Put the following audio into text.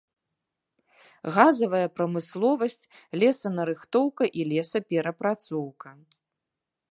Газавая прамысловасць, лесанарыхтоўка і лесаперапрацоўка.